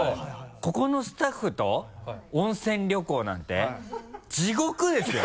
ここのスタッフと温泉旅行なんて地獄ですよ！